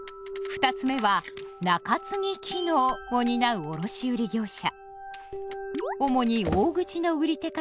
三つ目は「分散機能」を担う卸売業者。